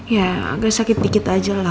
ya agak sakit dikit aja lah